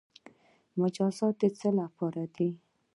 مجازات د څه لپاره دي؟